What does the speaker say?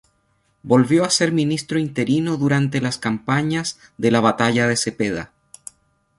Volvió a ser ministro interino durante las campañas de la Batalla de Cepeda.